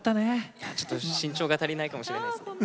いや、ちょっと身長が足りないかもしれません。